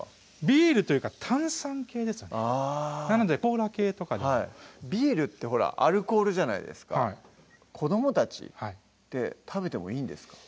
ビールというか炭酸系ですよねなのでコーラ系とかでもビールってほらアルコールじゃないですか子どもたちって食べてもいいんですか？